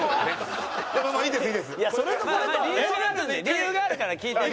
理由があるから聞いて。